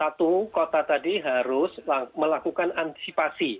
satu kota tadi harus melakukan antisipasi